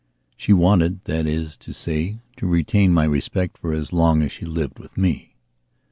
She wanted, that is to say, to retain my respect for as long as she lived with me.